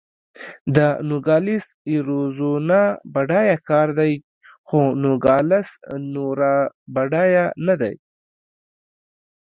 د نوګالس اریزونا بډایه ښار دی، خو نوګالس سونورا بډایه نه دی.